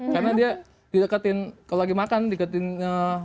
karena dia didekatin kalau lagi makan didekatin